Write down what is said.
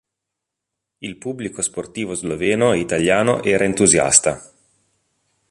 Il pubblico sportivo sloveno e italiano era entusiasta.